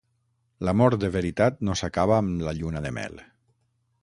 L'amor de veritat no s'acaba amb la lluna de mel.